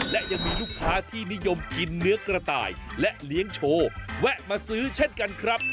และยังมีลูกค้าที่นิยมกินเนื้อกระต่ายและเลี้ยงโชว์แวะมาซื้อเช่นกันครับ